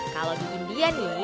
kalau di india nih